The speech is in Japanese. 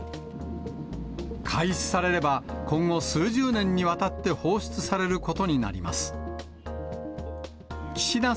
開始されれば、今後数十年にわたって放出されることになります。